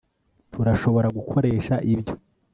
turashobora gukoresha ibyo